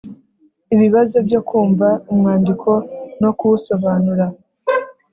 Ibibazo byo kumva umwandiko no kuwusobanura